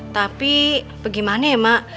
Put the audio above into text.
tapi bagaimana ya mak